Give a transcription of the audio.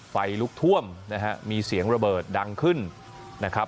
ไฟลุกท่วมนะฮะมีเสียงระเบิดดังขึ้นนะครับ